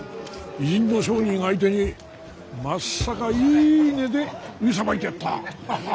異人の商人相手にまっさかいい値で売りさばいてやった。